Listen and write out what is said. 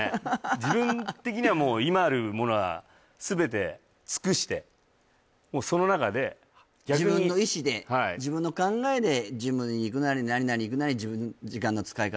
自分的には今あるものは全てつくしてその中で逆に自分の意志で自分の考えでジムに行くなり何々行くなり時間の使い方